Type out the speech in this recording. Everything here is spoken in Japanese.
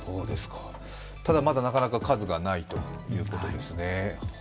ただ、なかなかまだ数がないということですね。